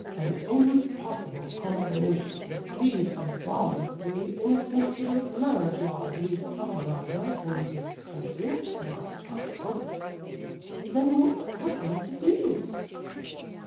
"An impossible combination, with these abominably inconsiderate marriage laws we suffer under in this country, my child." "Then what ought I to do?"